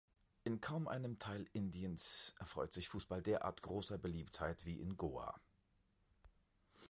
In kaum einem Teil Indiens erfreut sich Fußball derart großer Beliebtheit wie in Goa.